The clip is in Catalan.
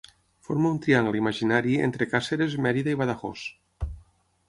Forma un triangle imaginari entre Càceres, Mèrida i Badajoz.